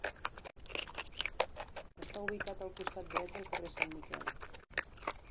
Està ubicat al costat dret del carrer Sant Miquel.